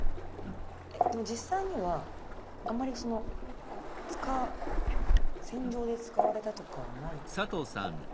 でも実際にはあんまりその戦場で使われたとかはないってことなんですかね？